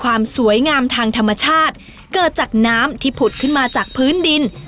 ความสวยงามทางธรรมชาติเกิดจากน้ำที่ผุดขึ้นมาจากพื้นดิน